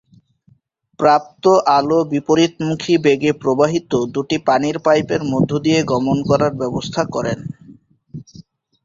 প্রাপ্ত আলো বিপরীতমুখী বেগে প্রবাহিত দুটি পানির পাইপের মধ্য দিয়ে গমন করার ব্যবস্থা করেন।